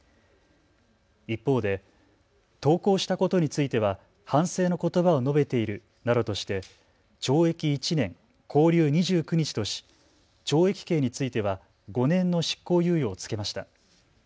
一方で投稿したことについては反省のことばを述べているなどとして懲役１年、拘留２９日とし懲役刑については５年の執行猶予を付けました。